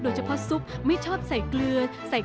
โดยเฉพาะซุปไม่ชอบใส่เกลือ